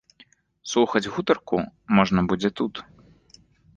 Слухаць гутарку можна будзе тут.